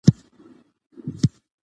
ژبه باید ساده، روانه او واضح وي.